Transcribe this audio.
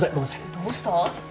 どうした？